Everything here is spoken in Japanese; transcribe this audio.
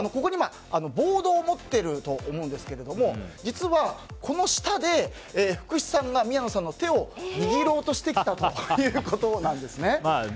ボードを持ていると思うんですが実は、この下で福士さんが宮野さんの手を握ろうとしてきたということなんですね。